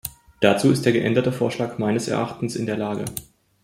Dazu ist der geänderte Vorschlag meines Erachtens in der Lage.